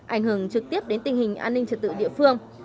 ảnh hưởng trực tiếp đến tình hình an ninh trật tự địa phương